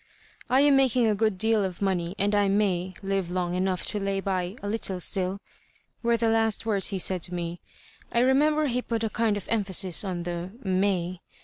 ' I am making a good deal of money, and I may live long enough to lay by a little still,' were the last words he said to me. I rememb^ he put a kind of emphasis on the Toay.